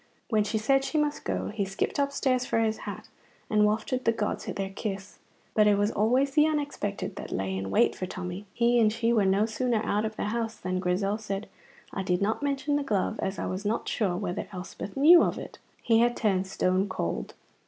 When she said she must go, he skipped upstairs for his hat, and wafted the gods their kiss. But it was always the unexpected that lay in wait for Tommy. He and she were no sooner out of the house than Grizel said, "I did not mention the glove, as I was not sure whether Elspeth knew of it." He had turned stone cold.